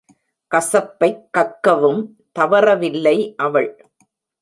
கசப்பைக் கக்கவும் தவறவில்லை அவள்.